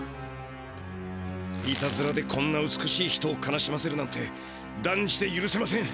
いたずらでこんな美しい人を悲しませるなんてだんじてゆるせません！